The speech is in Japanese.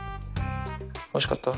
おいしかった？